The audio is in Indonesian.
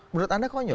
menurut anda konyol